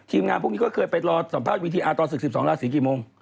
ทีมงานพวกนี้ก็เคยไปรอสัมภาษณ์วิทยาลักษณ์ตอน๑๒นาทีกี่โมง